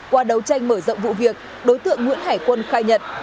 qua đấu tranh mở rộng vụ việc đối tượng nguyễn hải quân khai nhận